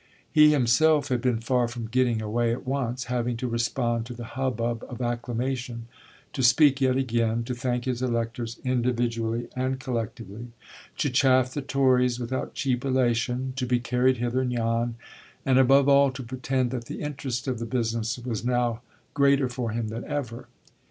He himself had been far from getting away at once, having to respond to the hubbub of acclamation, to speak yet again, to thank his electors individually and collectively, to chaff the Tories without cheap elation, to be carried hither and yon, and above all to pretend that the interest of the business was now greater for him than ever.